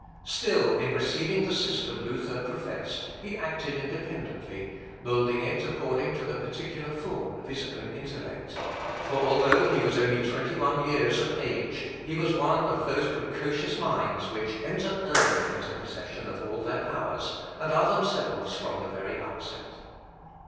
Still, in receiving the system Luther professed, he acted independently, moulding it according to the particular form of his own intellect; for, although he was only twenty one years of age, he was one of those precocious minds which enter early into possession of all their powers, and are themselves from the very outset.